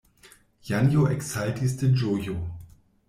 Janjo eksaltis de ĝojo.